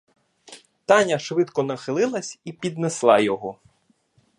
Таня швидко нахилилась і піднесла його.